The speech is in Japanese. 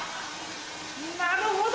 なるほど！